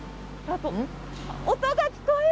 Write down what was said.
音が聞こえる。